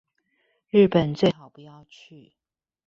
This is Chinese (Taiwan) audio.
日本最好不要去